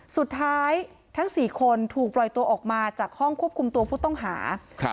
ทั้งสี่คนถูกปล่อยตัวออกมาจากห้องควบคุมตัวผู้ต้องหาครับ